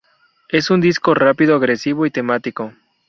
Es un disco rápido, agresivo y temático.